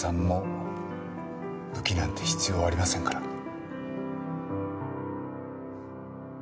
もう武器なんて必要ありませんから。